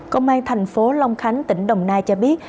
công an thành phố long khánh tỉnh đồng nai cho biết